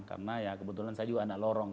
karena ya kebetulan saya juga anak lorong